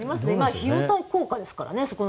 費用対効果ですからね。